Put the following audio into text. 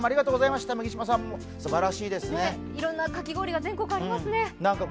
いろんなかき氷が全国ありますね。